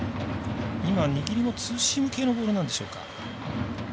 握りもツーシーム系のボールなんでしょうか。